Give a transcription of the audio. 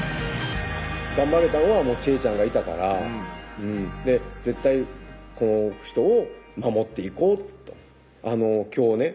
頑張れたんはちえちゃんがいたから絶対この人を守っていこうと今日ね